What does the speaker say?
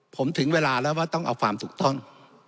ผมถึงเวลาแล้วว่าต้องเอาความถูกต้อง